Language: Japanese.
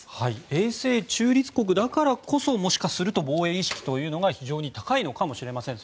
永世中立国だからこそもしかすると防衛意識が非常に高いのかもしれません。